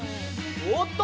おおっと！